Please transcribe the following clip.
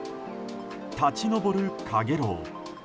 立ち上るかげろう。